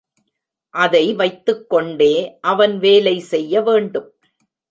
அதை வைத்துக் கொண்டே அவன் வேலை செய்யவேண்டும்.